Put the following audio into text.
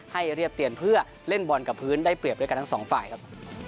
เรียบเตียนเพื่อเล่นบอลกับพื้นได้เปรียบด้วยกันทั้งสองฝ่ายครับ